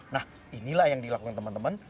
nah inilah yang dilakukan teman teman